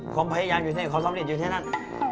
ผมพยายามอยู่นี่ความสำเร็จอยู่ที่นั่น